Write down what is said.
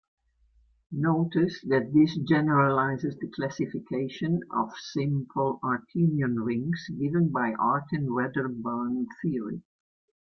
Notice that this generalizes the classification of simple artinian rings given by Artin-Wedderburn theory.